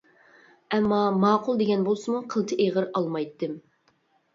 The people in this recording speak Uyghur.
ئەمما ماقۇل دېگەن بولسىمۇ قىلچە ئېغىر ئالمايتتىم.